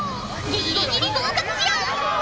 ギリギリ合格じゃ。